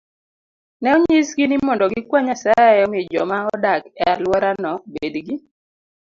Ne onyisgi ni mondo gikwa Nyasaye omi joma odak e alworano obed gi